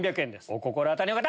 お心当たりの方！